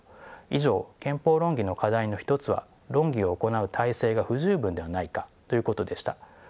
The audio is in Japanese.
以上憲法論議の課題の一つは論議を行う体制が不十分ではないかということでした。